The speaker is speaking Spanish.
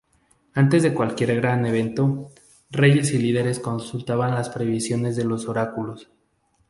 Antes de cualquier gran evento, reyes y líderes consultaban las previsiones de los oráculos.